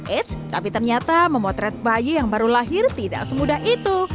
eits tapi ternyata memotret bayi yang baru lahir tidak semudah itu